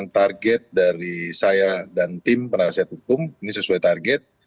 target dari saya dan tim penasihat hukum ini sesuai target